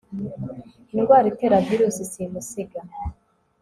indwara itera virusi simusiga